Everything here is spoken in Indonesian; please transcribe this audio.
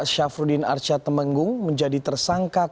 syafruddin arsyad temenggung menjadi tersangka